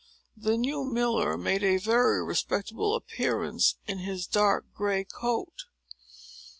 The new miller made a very respectable appearance in his dark gray coat.